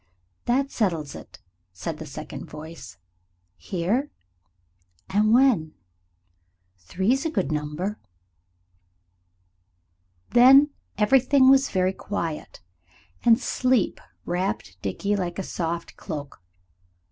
"That settles it," said the second voice "here?" "And when?" "Three's a good number." Then everything was very quiet, and sleep wrapped Dickie like a soft cloak.